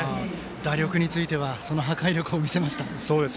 打力についてはその破壊力を見せました。